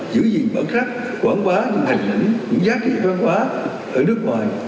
giữ gìn bản sắc quảng hóa những hành lĩnh những giá trị văn hóa ở nước ngoài